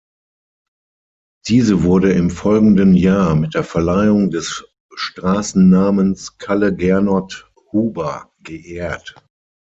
Diese wurde im folgenden Jahr mit der Verleihung des Straßennamens "Calle Gernot Huber" geehrt.